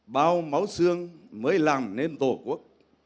bao máu xương mới làm nên tổ quốc